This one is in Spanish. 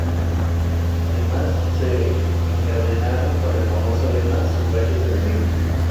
Ambas se encadenaron con el famoso lema ¡Sufragio Femenino!